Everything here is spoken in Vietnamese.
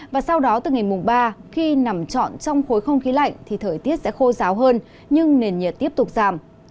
và sau đó từ ngày mùng ba khi nằm trọn trong khối không khí lạnh thì thời tiết sẽ khô ráo hơn nhưng nền nhiệt tiếp tục giảm